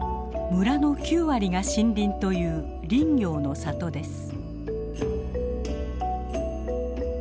村の９割が森林という林業の里です。